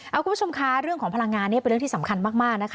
เอาคุณผู้ชมคะเรื่องของพลังงานนี่เป็นเรื่องที่สำคัญมากนะคะ